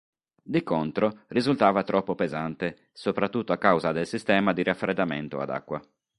Di contro, risultava troppo pesante, soprattutto a causa del sistema di raffreddamento ad acqua.